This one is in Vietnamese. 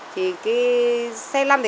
thì cái xe lăn thì không thành vấn đề